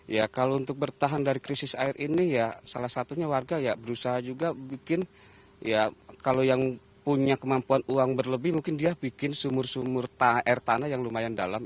ya kalau untuk bertahan dari krisis air ini ya salah satunya warga ya berusaha juga bikin ya kalau yang punya kemampuan uang berlebih mungkin dia bikin sumur sumur air tanah yang lumayan dalam